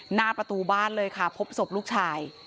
หน้าประตูบ้านเลยค่ะพบศพลูกชาย